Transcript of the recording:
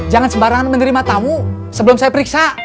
jangan sembarangan menerima tamu sebelum saya periksa